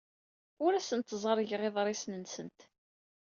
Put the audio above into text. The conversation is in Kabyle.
Ur asent-ẓerrgeɣ iḍrisen-nsent.